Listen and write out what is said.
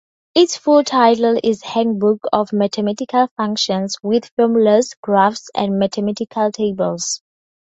Its full title is Handbook of Mathematical Functions with Formulas, Graphs, and Mathematical Tables.